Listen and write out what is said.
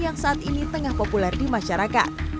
yang saat ini tengah populer di masyarakat